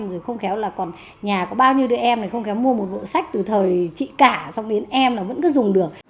rồi không khéo là còn nhà có bao nhiêu đứa em này không kéo mua một bộ sách từ thời chị cả xong đến em là vẫn cứ dùng được